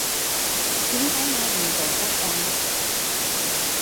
點解我唔做得啊？